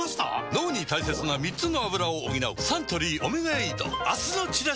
脳に大切な３つのアブラを補うサントリー「オメガエイド」明日のチラシで